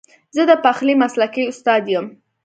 زه د پخلي مسلکي استاد یم